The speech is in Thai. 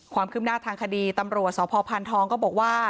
ความคึ้มหน้าทางคดีตัมหลัวสพท้องก็บอกว่า